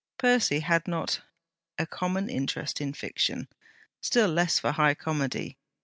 Percy had not a common interest in fiction; still less for high comedy.